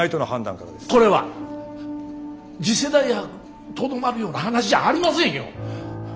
これは次世代博にとどまるような話じゃありませんよ！